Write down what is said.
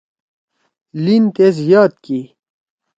لین تیس یاد کی۔